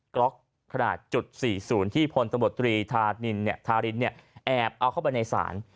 กล็อกขนาดจุด๔๐ที่พลตำรวจตรีทารินแอบเอาเข้าไปในศาล